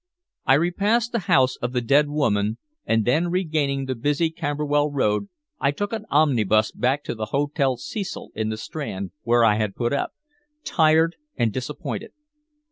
I repassed the house of the dead woman, and then regaining the busy Camberwell Road I took an omnibus back to the Hotel Cecil in the Strand where I had put up, tired and disappointed.